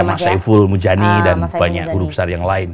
mas saiful mujani dan banyak guru besar yang lain